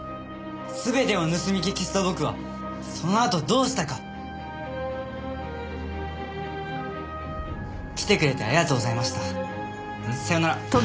全てを盗み聞きした僕はそのあとどうしたか。来てくれてありがとうございました。さようなら。